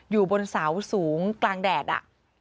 อยู่บนเสาสูงกลางแดดอ่ะ